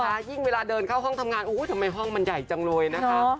ใช่นะคะยิ่งเวลาเดินเข้าห้องทำงานทำไมห้องมันใหญ่จังเลยนะคะ